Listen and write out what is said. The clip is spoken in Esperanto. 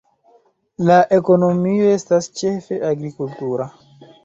La ekonomio estas ĉefe agrikultura.